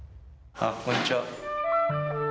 あっこんにちは。